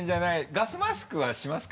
ガスマスクはしますか？